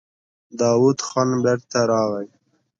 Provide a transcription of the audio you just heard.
داوود خان بېرته راغی.